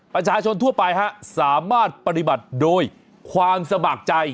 ประชาชนทั่วไปฮะสามารถปฏิบัติโดยความสมัครใจ